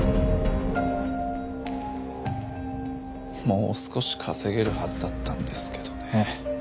もう少し稼げるはずだったんですけどね。